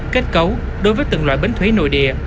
kết cấu đối với từng loại bến thủy nội địa